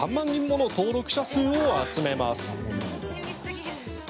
人もの登録者数を集めます。